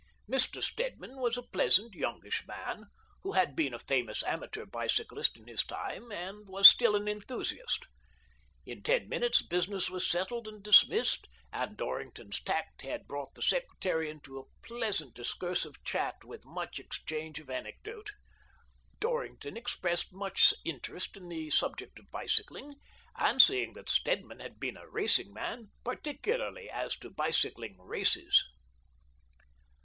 Mr. Stedman was a pleasant, youngish man, who had been a famous amateur bicyclist in his time, and was still an enthusiast. In ten minutes business was settled and dismissed, and Dorrington' s tact had brought the secretary into a pleasant discursive chat, with much exchange of anecdote. Dorrington expressed much interest in the subject of bicycling, and, seeing that Sted man had been a racing man, particularly as to bicycling races.